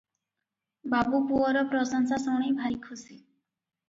ବାବୁ ପୁଅର ପ୍ରଶଂସା ଶୁଣି ଭାରି ଖୁସି ।